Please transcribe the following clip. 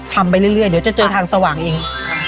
ทำไปเรื่อยเรื่อยเดี๋ยวจะเจอทางสว่างเองอ๋อ